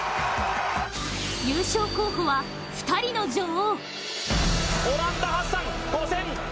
優勝候補は２人の女王。